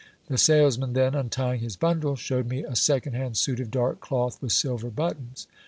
The salesman then, untying his bundle, shewed me a second hand suit of dark cloth with silver buttons.